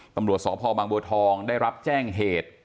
ตำรวจสพบางบัวทองได้รับแจ้งเหตุ